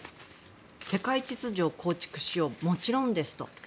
世界秩序を構築しようもちろんですと。